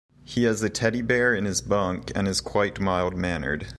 He has a teddy bear in his bunk and is quite mild-mannered.